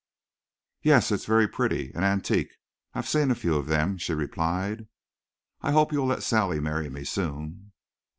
"Yes. It's very pretty. An antique. I've seen a few of them," she replied. "I hope you'll let Sally marry me soon."